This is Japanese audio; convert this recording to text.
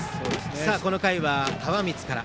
この回は、川満から。